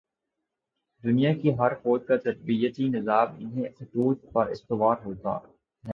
دنیا کی ہر فوج کا تربیتی نظام انہی خطوط پر استوار ہوتا ہے۔